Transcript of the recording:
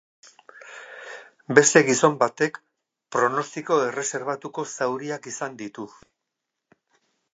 Beste gizon batek pronostiko erreserbatuko zauriak izan ditu.